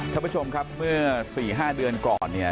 ท่านผู้ชมครับเมื่อ๔๕เดือนก่อนเนี่ย